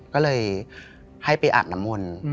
ก็เลยให้ไปอาคดังน้ำมัน